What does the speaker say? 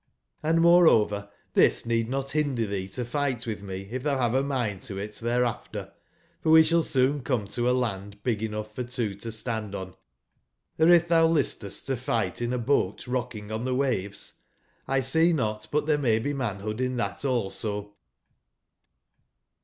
Hnd moreover tbis need not binder tbee to figbt witb me if tbou bave a mind to it thereafter; for we sball soon come to a land big enough for two to stand on. Or if thou lis test to fight in a boat rocking on the waves, Isec not but there may be manhood in tbat also.